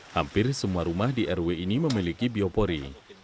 hampir semua rumah di rw ini memiliki biopori